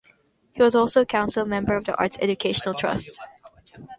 He was also council member of the Arts Educational Trust.